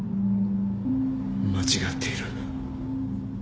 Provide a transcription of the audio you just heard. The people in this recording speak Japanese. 間違っている。